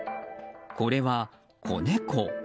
これは子猫。